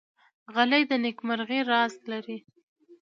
غلی، د نېکمرغۍ راز لري.